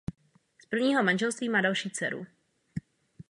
Z prvního manželství má další dceru.